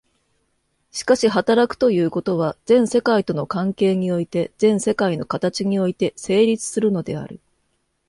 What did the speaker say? しかし働くということは、全世界との関係において、全世界の形において成立するのである。